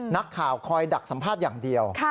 นักข่าวคอยดักสัมภาษณ์อย่างเดียว